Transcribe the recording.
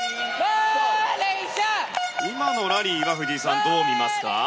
今のラリーは藤井さん、どう見ますか？